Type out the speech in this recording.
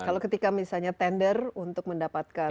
kalau ketika misalnya tender untuk mendapatkan